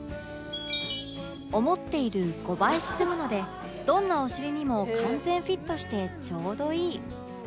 思っている５倍沈むのでどんなお尻にも完全フィットしてちょうどいい